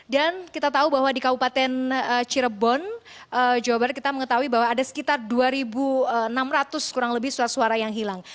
dan kita tahu bahwa di kabupaten cirebon jawabannya kita mengetahui bahwa ada sekitar dua enam ratus kurang lebih surat suara yang hilang